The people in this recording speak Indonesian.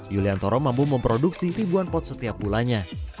yuliantoro mampu memproduksi ribuan pot setiap bulannya